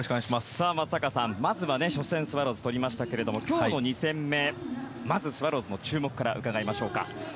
松坂さん、まずは初戦スワローズ取りましたが今日の２戦目、まずスワローズの注目から伺いましょうか。